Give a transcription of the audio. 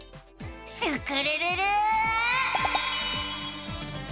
スクるるる！